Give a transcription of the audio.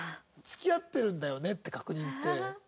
「付き合ってるんだよね？」って確認って。